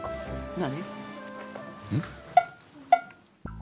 何？